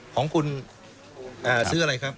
๑๗๔๐๐๐๐ของคุณซื้ออะไรครับ